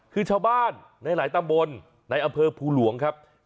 คือชาวบ้านในหลายตำบลในอำเภอภูหลวงครับ